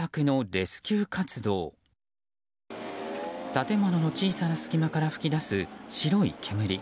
建物の小さな隙間から吹き出す白い煙。